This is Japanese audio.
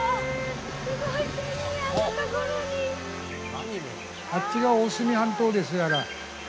あっちが大隅半島です